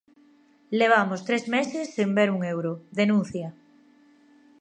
Levamos tres meses sen ver un euro, denuncia.